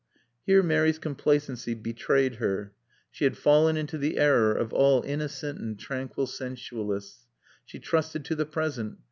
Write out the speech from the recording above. Here Mary's complacency betrayed her. She had fallen into the error of all innocent and tranquil sensualists. She trusted to the present.